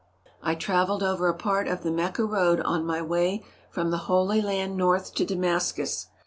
I travelled over a part of the Mecca road on my way from the Holy Land north to Damascus.